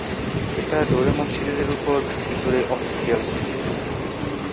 এটা ডোরেমন সিরিজের উপর ভিত্তি করে অফিসিয়াল সিরিজ।